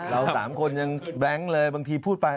เรา๓คนยังแบงค์เลยบางทีพูดไป